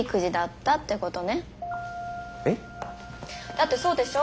だってそうでしょ。